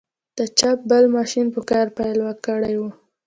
د چاپ بل ماشین په کار پیل کړی و.